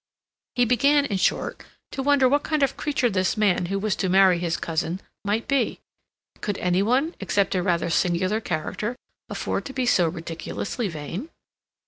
He began, in short, to wonder what kind of creature this man who was to marry his cousin might be. Could any one, except a rather singular character, afford to be so ridiculously vain?